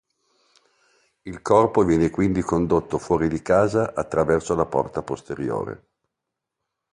Il corpo viene quindi condotto fuori di casa attraverso la porta posteriore.